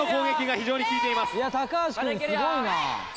いや高橋くんすごいな。